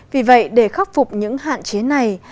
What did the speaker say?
vì vậy để khắc phục những hạn chế này